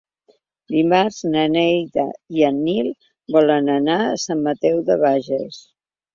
Dimarts na Neida i en Nil volen anar a Sant Mateu de Bages.